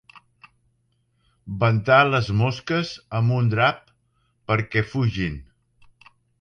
Ventar les mosques amb un drap perquè fugin.